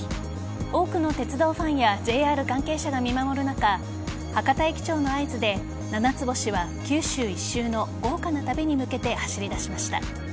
多くの鉄道ファンやＪＲ関係者が見守る中博多駅長の合図でななつ星は九州一周の豪華な旅に向けて走り出しました。